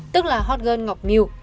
tức là hot girl ngọc miu